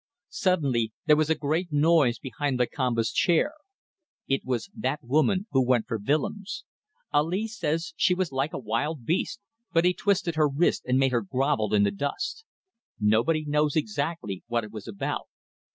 Suddenly there was a great noise behind Lakamba's chair. It was that woman, who went for Willems. Ali says she was like a wild beast, but he twisted her wrist and made her grovel in the dust. Nobody knows exactly what it was about.